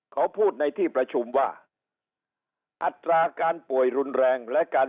เขาพูดในที่ประชุมว่าอัตราการป่วยรุนแรงและการ